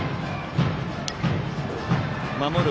守る